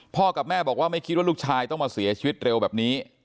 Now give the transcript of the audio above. กับแม่บอกว่าไม่คิดว่าลูกชายต้องมาเสียชีวิตเร็วแบบนี้